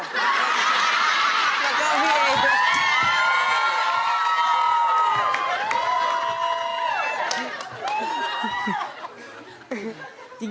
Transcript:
แล้วก็เมฆ